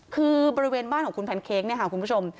คือบริเวณบ้านของคุณแพนเค้กเนี่ยค่ะคุณผู้ชม